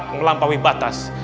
dan menanggapi batas